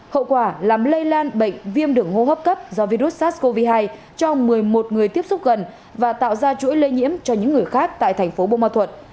hậu quả là lây lan bệnh viêm đường hô hấp cấp do virus sars cov hai cho một mươi một người tiếp xúc gần và tạo ra chuỗi lây nhiễm cho những người khác tại tp buôn ma thuật